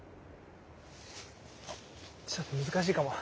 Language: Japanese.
ちょっと難しいかも。